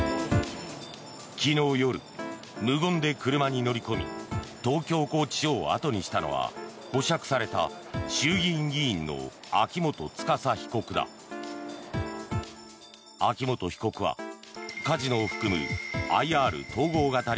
昨日夜、無言で車に乗り込み東京拘置所を後にしたのは保釈された衆議院議員の秋元司被告だ。